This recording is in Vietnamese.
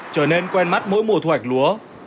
trở nên quen mắt mỗi mùa thu hoạch lúa